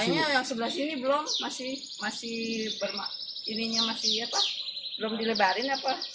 kalinya yang sebelah sini belum masih masih ininya masih apa belum dilebarin apa